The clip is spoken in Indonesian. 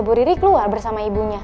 bu riri keluar bersama ibunya